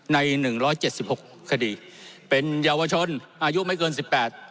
หนึ่งร้อยเจ็ดสิบหกคดีเป็นเยาวชนอายุไม่เกินสิบแปด